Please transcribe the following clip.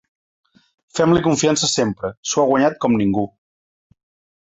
Fem-li confiança sempre, s’ho ha guanyat com ningú.